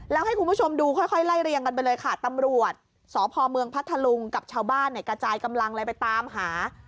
แล้วให้คุณผู้ชมดูค่อยไล่เรียงกันไปเลยค่ะตำรวจสพเมืองพัทธลุงกับชาวบ้านเนี่ยกระจายกำลังเลยไปตามหา